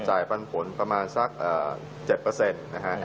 จ่ายปันผลประมาณสัก๗นะครับ